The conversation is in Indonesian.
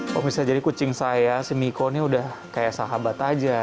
kalau misalnya jadi kucing saya si miko ini udah kayak sahabat aja